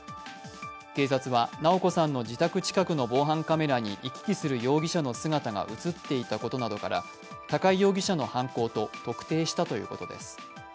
警察は直子さんの自宅近くの防犯カメラに行き来する容疑者の姿が映っていたことから高井容疑者の犯行と特定したということです。